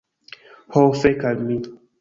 Ho, fek' al mi